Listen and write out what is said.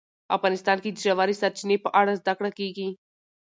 افغانستان کې د ژورې سرچینې په اړه زده کړه کېږي.